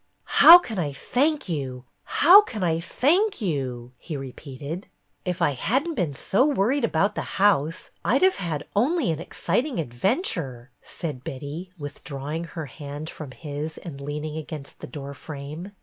" How can I thank you ! How can I thank you!'^ he repeated. " If I had n't been so worried about the house, I 'd have had only an exciting adven ture," said Betty, withdrawing her hand from his and leaning against the door frame.